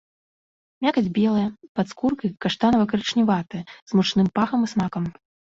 Мякаць белая, пад скуркай каштанава-карычневатая, з мучным пахам і смакам.